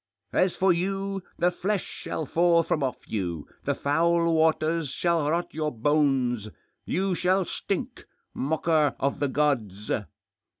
As for you, the flesh shall fall from off you ; the foul waters shall rot your bones ; you shall stink ! Mocker of the gods